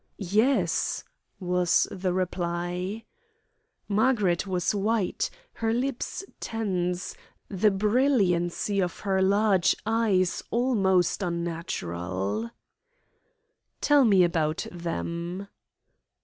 "Yes," was the reply. Margaret was white, her lips tense, the brilliancy of her large eyes almost unnatural. "Tell me about them."